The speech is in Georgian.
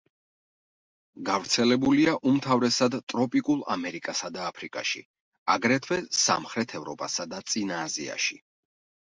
გავრცელებულია უმთავრესად ტროპიკულ ამერიკასა და აფრიკაში, აგრეთვე სამხრეთ ევროპასა და წინა აზიაში.